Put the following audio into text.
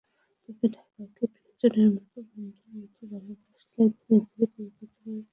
তবে ঢাকাকে প্রিয়জনের মতো, বন্ধুর মতো ভালোবাসলে ধীরে ধীরে পরিবর্তন আসবে।